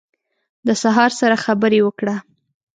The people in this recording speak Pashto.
د سهار سره خبرې وکړه